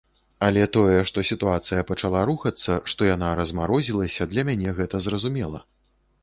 Але тое, што сітуацыя пачала рухацца, што яна размарозілася, для мяне гэта зразумела.